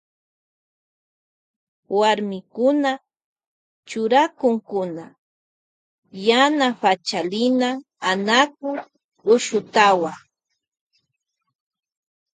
Warmikuna churakunkuna yaa Pachalina, Anaku, Ushutawan.